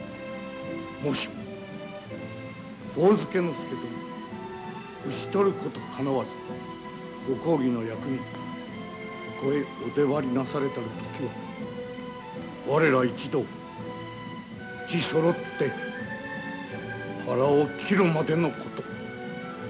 もしも上野介殿召し捕ることかなわずご公儀の役人ここへお出張りなされたる時は我ら一同うちそろって腹を切るまでのこと。